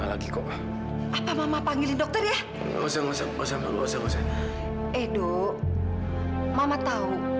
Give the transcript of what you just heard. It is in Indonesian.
sampai jumpa di video selanjutnya